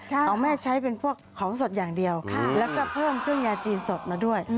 ของแม่ใช้เป็นพวกของสดอย่างเดียวแล้วก็เพิ่มเครื่องยาจีนสดมาด้วย